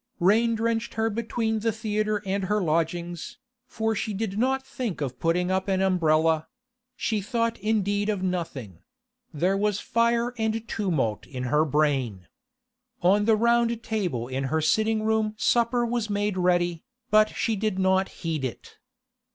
Rain drenched her between the theatre and her lodgings, for she did not think of putting up an umbrella; she thought indeed of nothing; there was fire and tumult in her brain. On the round table in her sitting room supper was made ready, but she did not heed it.